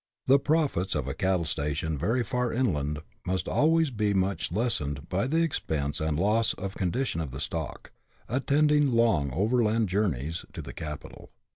The profits of a cattle station very far inland must always be much lessened by the expense and loss of condition of the stock, attending long overland journeys to the capital.